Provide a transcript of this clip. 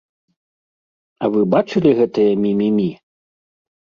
А вы бачылі гэтае мімімі?